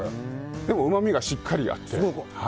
でもうまみがしっかりあって。